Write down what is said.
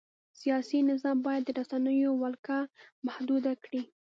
سیاسي نظام باید د رسنیو ولکه محدوده کړي.